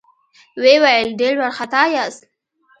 ويې ويل: ډېر وارخطا ياست؟